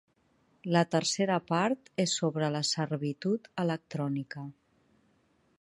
La tercera part és sobre la servitud electrònica.